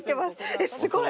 えっすごい。